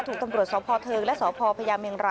ถูกตำรวจสพเทิงและสพพมร